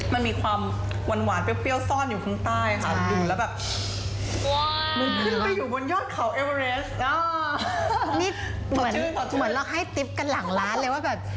มันมีความหวานเปรี้ยวซ่อนอยู่ข้างใต้ค่ะดูแล้วแบบ